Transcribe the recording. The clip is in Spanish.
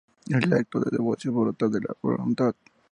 El acto de devoción brota de la voluntad.